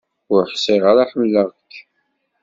Ur ḥṣiɣ ara ḥemleɣ-k.